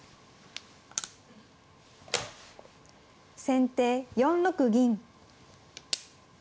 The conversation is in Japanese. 先手４六銀。